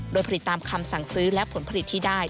โดยผลิตตามคำสั่งซื้อและผลผลิตที่ได้